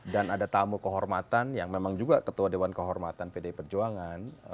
dan ada tamu kehormatan yang memang juga ketua dewan kehormatan pd perjuangan